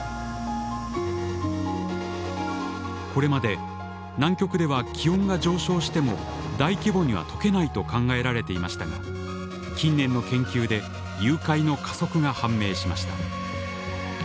これまで南極では気温が上昇しても大規模にはとけないと考えられていましたが近年の研究で融解の加速が判明しました。